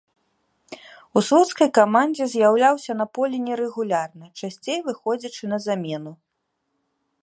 У слуцкай камандзе з'яўляўся на полі нерэгулярна, часцей выходзячы на замену.